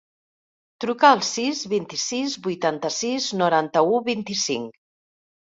Truca al sis, vint-i-sis, vuitanta-sis, noranta-u, vint-i-cinc.